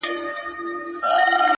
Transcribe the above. د کلي سيند راته هغه لنده خيسته راوړې’